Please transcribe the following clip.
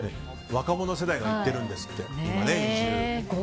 若者世代が行ってるんですね。